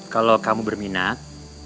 kalau kamu berminat